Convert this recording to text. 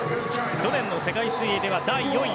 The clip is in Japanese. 去年の世界水泳では第４位。